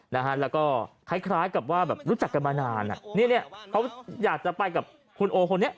แล้วก็คล้ายกับว่ารู้จักกันมานานนี่เขาอยากจะไปกับคุณโอคนนี้